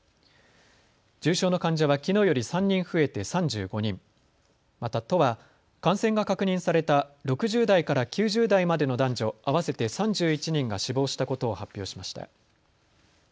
重症の患者はきのうより３人増えて３５人、また都は感染が確認された６０代から９０代までの男女合わせて３１人が死亡したことを発表しました。